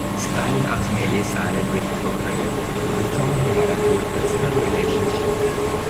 Stalin ultimately sided with Tokarev, with whom he had a good personal relationship.